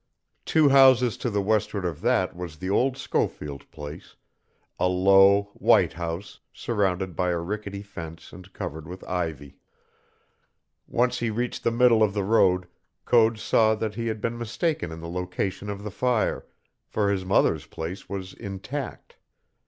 Two houses to the westward of that was the old Schofield place, a low, white house surrounded by a rickety fence and covered with ivy. Once he reached the middle of the road Code saw that he had been mistaken in the location of the fire, for his mother's place was intact.